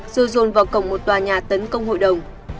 rồi dồn vào cổng một tòa nhà tấn công hội đồng